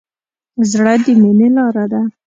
زړه د مینې لاره ده.